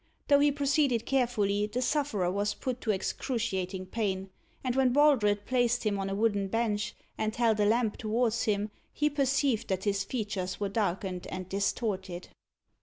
Though he proceeded carefully, the sufferer was put to excruciating pain; and when Baldred placed him on a wooden bench, and held a lamp towards him, he perceived that his features were darkened and distorted.